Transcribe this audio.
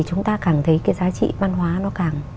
chúng ta càng thấy cái giá trị văn hóa nó càng